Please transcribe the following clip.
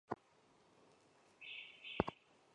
雄县与任丘市接壤。